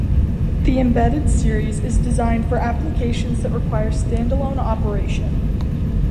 The Embedded Series is designed for applications that require stand-alone operation.